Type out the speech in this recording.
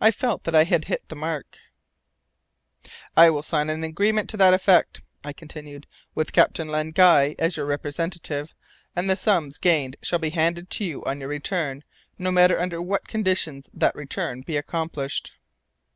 I felt that I had hit the mark. "I will sign an agreement to that effect," I continued, "with Captain Len Guy as your representative, and the sums gained shall be handed to you on your return, no matter under what conditions that return be accomplished."